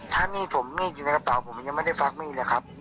ถ้ามีดผมมีดอยู่ในกระเป๋าผมยังไม่ได้ฟักมีดเลยครับ